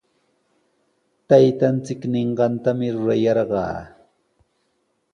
Taytanchik ninqantami rurayarqaa.